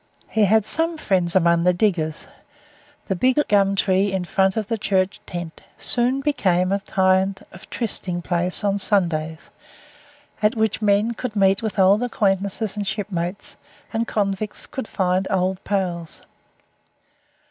He had some friends among the diggers. The big gum tree in front of the church tent soon became a kind of trysting place on Sundays, at which men could meet with old acquaintances and shipmates, and convicts could find old pals.